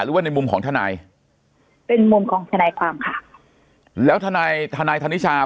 หรือว่าในมุมของทนายเป็นมุมของทนายความค่ะแล้วทนายทนายธนิชา